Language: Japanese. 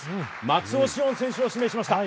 松尾汐恩選手を指名しました。